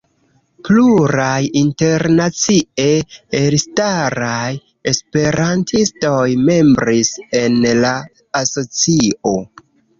Pluraj internacie elstaraj esperantistoj membris en la asocio.